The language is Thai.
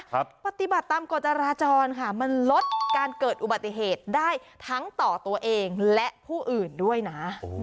ปฏิบัติตามกฎจราจรค่ะมันลดการเกิดอุบัติเหตุได้ทั้งต่อตัวเองและผู้อื่นด้วยนะ